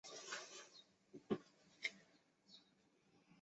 五官中郎将曹丕和王忠跟随曹操外出。